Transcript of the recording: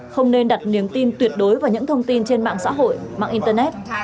không nên đặt niềm tin tuyệt đối vào những thông tin trên mạng xã hội mạng internet